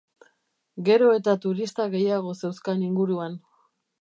Gero eta turista gehiago zeuzkan inguruan.